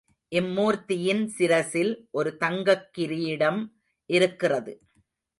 இம்மூர்த்தியின் சிரஸில் ஒரு தங்கக் கீரிடம் இருக்கிறது.